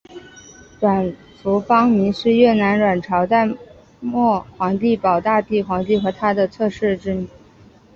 阮福芳明是越南阮朝末代皇帝保大帝皇帝和他的侧室之女。